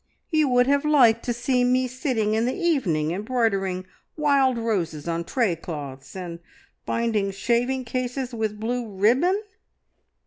You would have liked to see me sitting in the evening embroidering wild roses on tray cloths, and binding shaving cases with blue ribbon?"